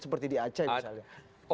seperti di aceh misalnya